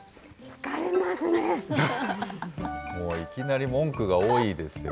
もういきなり文句が多いです